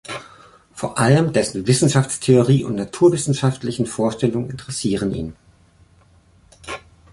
Vor allem dessen Wissenschaftstheorie und naturwissenschaftlichen Vorstellungen interessieren ihn.